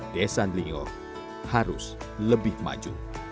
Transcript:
desa andelingo harus lebih maju